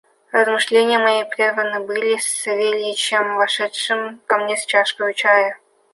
Размышления мои прерваны были Савельичем, вошедшим ко мне с чашкою чая.